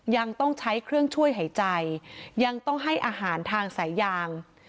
ยังต้องใช้เครื่องช่วยหายใจยังต้องให้อาหารทางสายยาง